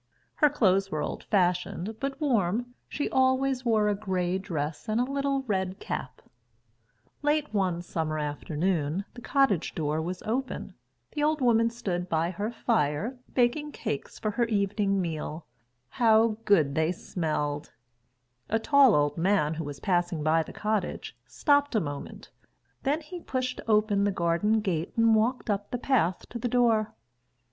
Her clothes were old fashioned but warm. She always wore a grey dress and a little red cap. [Footnote 5: This story is told in verse in Phoebe Cary's A Legend of the Northland]. Late one summer afternoon, the cottage door was open. The old woman stood by her fire, baking cakes for her evening meal. How good they smelled! A tall old man who was passing by the cottage stopped a moment. Then he pushed open the garden gate and walked up the path to the door.